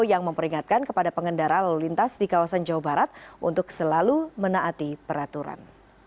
yang memperingatkan kepada pengendara lalu lintas di kawasan jawa barat untuk selalu menaati peraturan